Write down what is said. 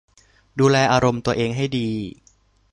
ดูแลอารมณ์ตัวเองให้ดี